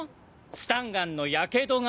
スタンガンの火傷が。